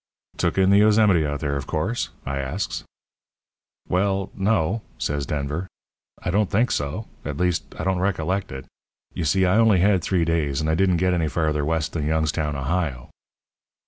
"'Took in the Yosemite, out there, of course?' I asks. "'Well no,' says Denver, 'I don't think so. At least, I don't recollect it. You see, I only had three days, and I didn't get any farther west than Youngstown, Ohio.'